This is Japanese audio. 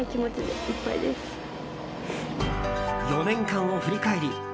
４年間を振り返り